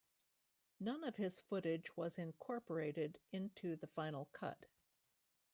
None of his footage was incorporated into the final cut.